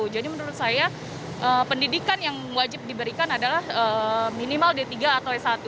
jadi menurut saya pendidikan yang wajib diberikan adalah minimal d tiga atau s satu